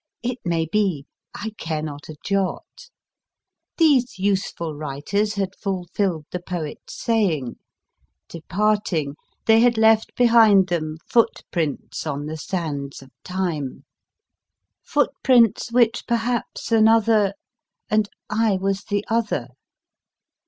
It may be, I care not a jot. These useful writers had fulfilled the poet s saying : departing, they had left behind them Footprints on the sands ROBERT LOUIS STEVENSON 303 of time, Footprints which perhaps another and I was the other